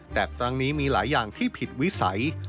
แต่ครั้งนี้มีหลายอย่างที่ผิดวิสัย